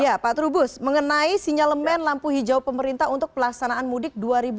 ya pak trubus mengenai sinyalemen lampu hijau pemerintah untuk pelaksanaan mudik dua ribu dua puluh